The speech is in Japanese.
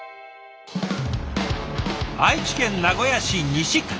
愛知県名古屋市西区。